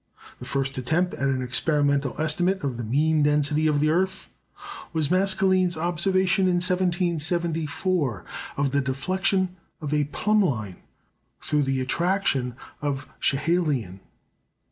The first attempt at an experimental estimate of the "mean density" of the earth was Maskelyne's observation in 1774 of the deflection of a plumb line through the attraction of Schehallien.